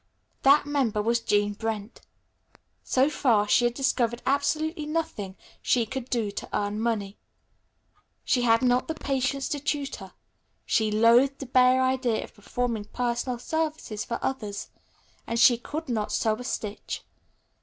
That member was Jean Brent. So far she had discovered absolutely nothing she could do to earn money. She had not the patience to tutor, she loathed the bare idea of performing personal services for others, and she could not sew a stitch.